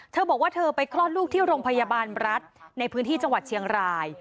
เธอบอกว่าเธอไปคลอดลูกที่โรงพยาบาลรัฐในพื้นที่จังหวัดเชียงราย